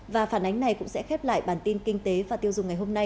và phản ánh này cũng sẽ khép lại bản tin kinh tế và tiêu dùng ngày hôm nay